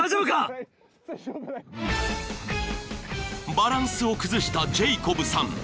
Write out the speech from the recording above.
［バランスを崩したジェイコブさん］